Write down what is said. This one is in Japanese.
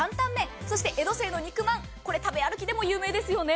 そして江戸清の肉まん、これ食べ歩きでも有名ですよね。